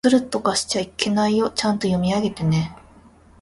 ずるとかしちゃいけないよ。ちゃんと読み上げてね。